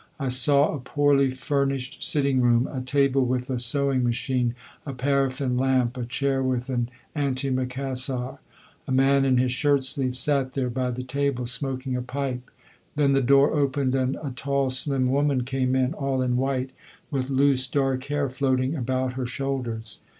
I saw a poorly furnished sitting room a table with a sewing machine, a paraffin lamp, a chair with an antimacassar. A man in his shirt sleeves sat there by the table, smoking a pipe. Then the door opened and a tall, slim woman came in, all in white, with loose dark hair floating about her shoulders.